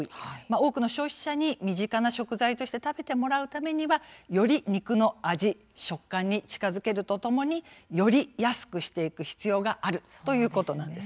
多くの消費者に身近な食材として食べてもらうためにはより肉の味、食感に近づけるとともにより安くしていく必要があるということなんです。